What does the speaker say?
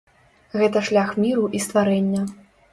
Гэта шлях міру і стварэння.